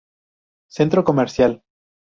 Centro comercial.